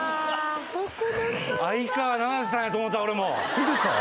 ホントですか？